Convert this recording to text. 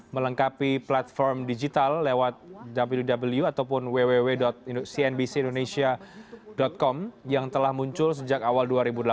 melengkapi platform digital lewat www cnbcindonesia com yang telah muncul sejak awal dua ribu delapan belas